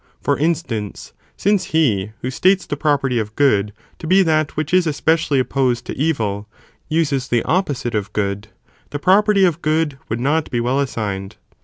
For instance, since he who states the property of good, to be that which is especially opposed to evil, uses the opposite of good, the property of good would not be well assigned.